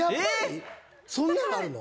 そんなのあるの？